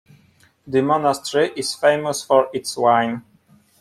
The monastery is famous for its wine.